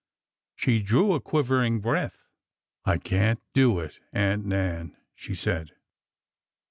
She drew a quivering breath. '' I can't do it, Aunt Nan !" she said.